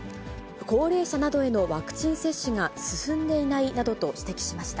高齢者などへのワクチン接種が進んでいないなどと指摘しました。